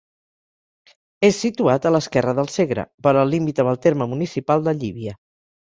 És situat a l'esquerra del Segre, vora el límit amb el terme municipal de Llívia.